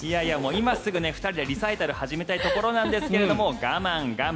今すぐ２人でリサイタルを始めたいところですが我慢、我慢。